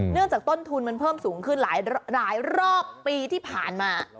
จากต้นทุนมันเพิ่มสูงขึ้นหลายรอบปีที่ผ่านมา